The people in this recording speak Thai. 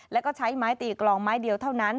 แล้วก็ใช้ไม้ตีกลองไม้เดียวเท่านั้น